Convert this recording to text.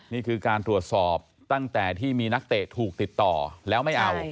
นี่คือการตรวจสอบตั้งแต่ที่มีนักเตะถูกติดต่อแล้วไม่เอา